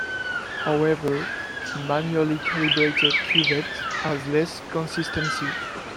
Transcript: However, the manually calibrated cuvette has less consistency.